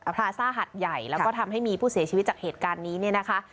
พราซ่าหัดใหญ่แล้วก็ทำให้มีผู้เสียชีวิตจากเหตุการณ์นี้เนี่ยนะคะ